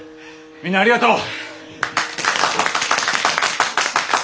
みんなありがとう！